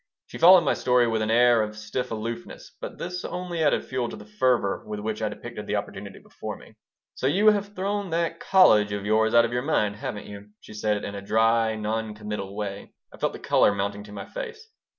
She followed my story with an air of stiff aloofness, but this only added fuel to the fervor with which I depicted the opportunity before me "So you have thrown that college of yours out of your mind, haven't you?" she said in a dry, non committal way I felt the color mounting to my face.